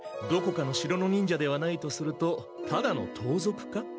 どこかの城の忍者ではないとするとただの盗賊か？